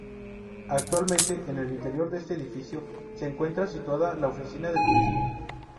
Actualmente en el interior de este edificio se encuentra situada la oficina de Turismo.